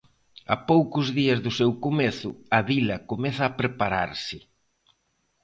A poucos días do seu comezo, a vila comeza a prepararse.